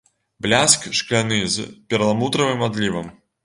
Бляск шкляны з перламутравым адлівам.